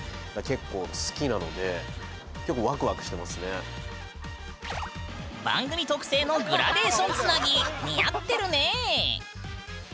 僕結構番組特製のグラデーションつなぎ似合ってるねえ！